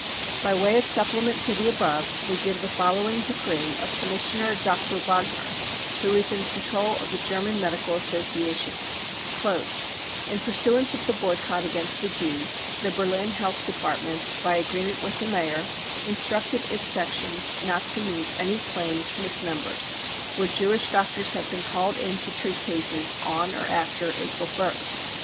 By way of supplement to the above we give the follow ing decree of Commissioner Dr. Wagner, who is in control of the German Medical Associations :" In pursuance of the boycott against the Jews, the Berlin Health department, by agreement with the Mayor, instructed its sections not to meet any claims from its members where Jewish doctors have been called in to treat cases on or after April ist.